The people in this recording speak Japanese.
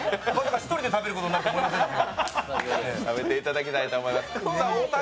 一人で食べることになると思いませんでした。